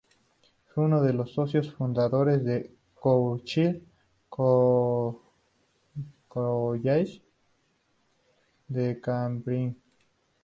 Fue uno de los socios fundadores del Churchill College, de Cambridge.